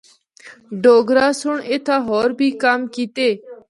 ڈوگرہ سنڑ اِتھا ہور بھی کم کیتے۔